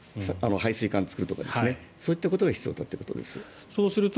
排水管を作るとかそういったことが必要になってくると。